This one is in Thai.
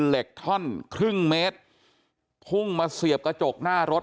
เหล็กท่อนครึ่งเมตรพุ่งมาเสียบกระจกหน้ารถ